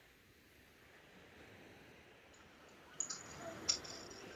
信浓町是位于长野县北部上水内郡的一町。